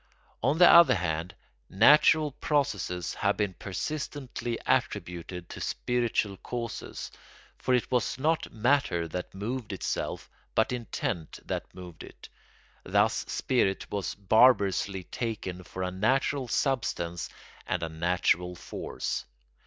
On the other hand, natural processes have been persistently attributed to spiritual causes, for it was not matter that moved itself but intent that moved it. Thus spirit was barbarously taken for a natural substance and a natural force.